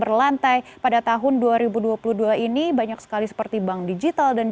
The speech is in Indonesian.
baik untuk tahun dua ribu dua puluh dua ini sheryl apa saja yang anda inginkan